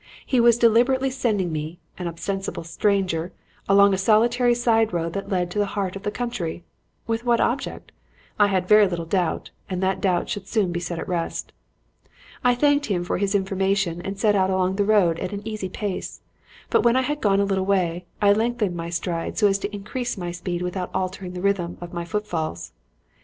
He was deliberately sending me an ostensible stranger along a solitary side road that led into the heart of the country. With what object? I had very little doubt, and that doubt should soon be set at rest. "I thanked him for his information and set out along the road at an easy pace; but when I had gone a little way, I lengthened my stride so as to increase my speed without altering the rhythm of my footfalls.